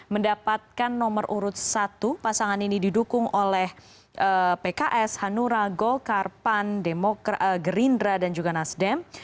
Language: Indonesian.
mendapatkan nomor urut satu pasangan ini didukung oleh pks hanura golkar pan gerindra dan juga nasdem